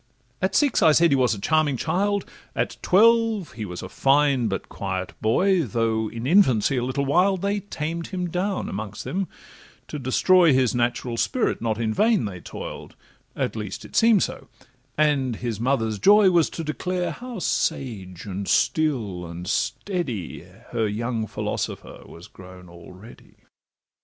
At six, I said, he was a charming child, At twelve he was a fine, but quiet boy; Although in infancy a little wild, They tamed him down amongst them: to destroy His natural spirit not in vain they toil'd, At least it seem'd so; and his mother's joy Was to declare how sage, and still, and steady, Her young philosopher was grown already.